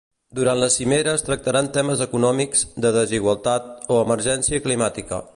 Durant la cimera es tractaran temes econòmics, de desigualtat o emergència climàtica.